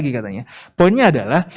lagi katanya poinnya adalah